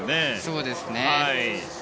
そうですね。